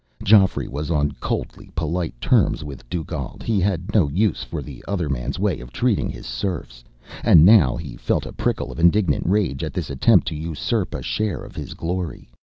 Geoffrey was on coldly polite terms with Dugald he had no use for the other man's way of treating his serfs and now he felt a prickle of indignant rage at this attempt to usurp a share of his glory.